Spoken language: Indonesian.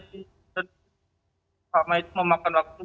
pertama itu memakan waktu empat